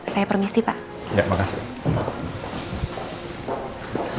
saya permisi pak makasih